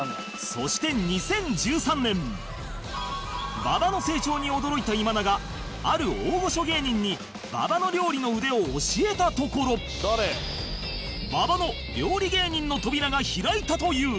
そして２０１３年馬場の成長に驚いた今田がある大御所芸人に馬場の料理の腕を教えたところ馬場の料理芸人の扉が開いたという